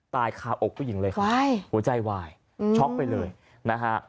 คาอกผู้หญิงเลยครับหัวใจวายช็อกไปเลยนะฮะ